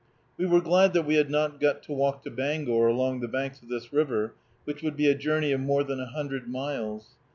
We were glad that we had not got to walk to Bangor along the banks of this river, which would be a journey of more than a hundred miles.